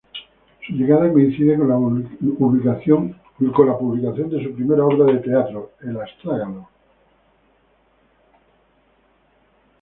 Su llegada coincide con la publicación de su primera obra de teatro, ‘el astrágalo’.